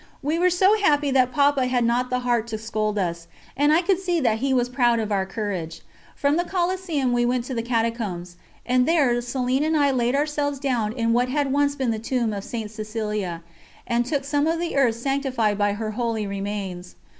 We were so happy that Papa had not the heart to scold us, and I could see that he was proud of our courage. From the Coliseum we went to the Catacombs, and there Céline and I laid ourselves down in what had once been the tomb of St. Cecilia, and took some of the earth sanctified by her holy remains.